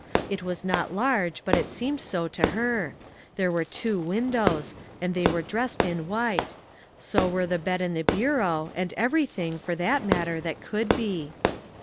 It was not large, but it seemed so to her; there were two win dows, and they were dressed in white ; so were the bed and the bureau, and everything, for that matter, that could be.